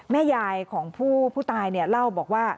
แม่ยายของผู้ตายเล่าบอกว่า